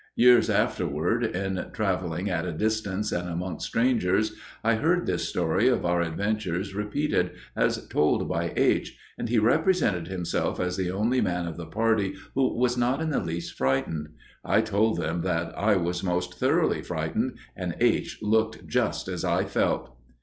Years afterward, in traveling at a distance and amongst strangers, I heard this story of our adventures repeated, as told by Aich, and he represented himself as the only man of the party who was not in the least frightened. I told them that "I was most thoroughly frightened, and Aich looked just as I felt."